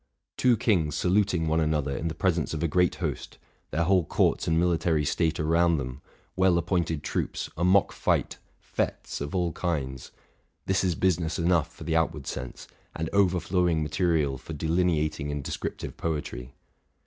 Two kings saluting one another in the pres ence of a great host, their whole courts and military state around them, well appointed troops, a mock fight, fétes of all kinds, —this is business enough for the outward sense, and overflowing material for delineating and descriptive poetry.